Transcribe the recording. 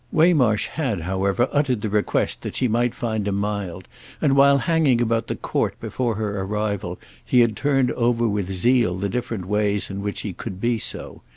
Waymarsh had, however, uttered the request that she might find him mild, and while hanging about the court before her arrival he had turned over with zeal the different ways in which he could be so.